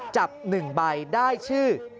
จับ๑ใบได้ชื่อ